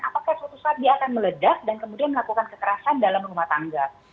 apakah suatu saat dia akan meledak dan kemudian melakukan kekerasan dalam rumah tangga